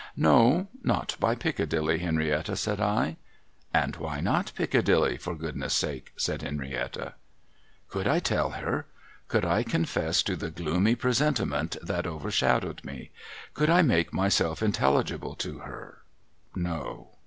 ' No. Not by Piccadilly, Henrietta,' said I. ' And why not Piccadilly, for goodness' sake ?' said Henrietta. Could I tell her ? Could I confess to the gloomy presentiment that overshadowed me ? Could I make myself intelligible to her ? No.